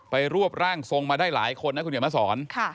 รวบร่างทรงมาได้หลายคนนะคุณเขียนมาสอน